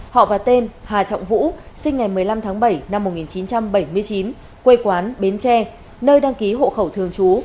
họ và tên hà trọng vũ sinh ngày một mươi năm tháng bảy năm một nghìn chín trăm bảy mươi chín quê quán bến tre nơi đăng ký hộ khẩu thường trú